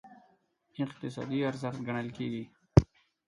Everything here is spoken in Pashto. اقتصادي ارزښت ګڼل کېږي.